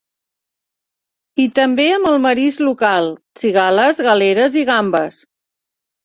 I també amb el marisc local: cigales, galeres i gambes.